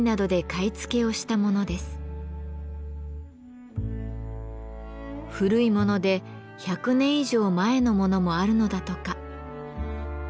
古いもので１００年以上前のものもあるのだとか。